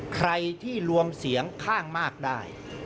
ใครที่รวมเสียงข้างมากได้